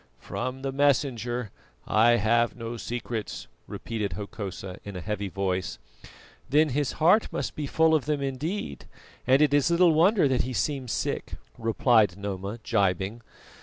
"From the Messenger I have no secrets," repeated Hokosa in a heavy voice. "Then his heart must be full of them indeed, and it is little wonder that he seems sick," replied Noma, gibing.